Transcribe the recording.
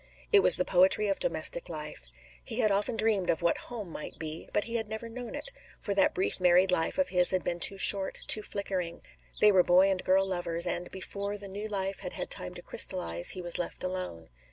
It was the poetry of domestic life. He had often dreamed of what "home" might be, but he had never known it, for that brief married life of his had been too short, too flickering; they were boy and girl lovers, and, before the new life had had time to crystallize, he was left alone.